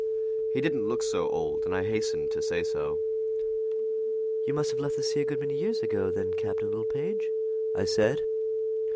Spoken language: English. He did not look so old, and I hastened to say so. "You must have left the sea a good many years ago, then, Captain Littlepage?" I said.